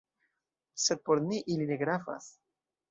Sed por ni, ili ne gravas.